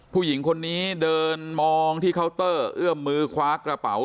ผู้หญิงคนนี้เดินมองที่เคาน์เตอร์เอื้อมมือคว้ากระเป๋า